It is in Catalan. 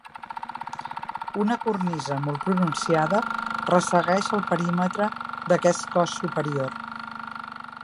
Una cornisa molt pronunciada ressegueix el perímetre d'aquest cos superior.